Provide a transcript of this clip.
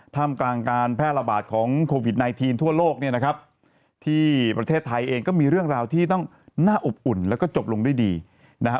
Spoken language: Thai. ท่ามกลางการแพร่ระบาดของโควิด๑๙ทั่วโลกเนี่ยนะครับที่ประเทศไทยเองก็มีเรื่องราวที่ต้องน่าอบอุ่นแล้วก็จบลงด้วยดีนะฮะ